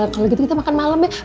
kalau gitu kita makan malam deh